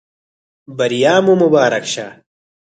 بریا مو مبارک شه.